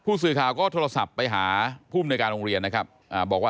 ผู้สื่อข่าวก็โทรศัพท์ไปหาผู้มนตรการโรงเรียนนะครับ